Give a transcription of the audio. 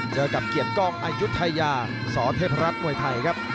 เจอกับเกียรติกล้องอายุทยาสเทพรัฐมวยไทยครับ